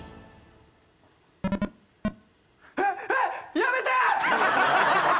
やめて！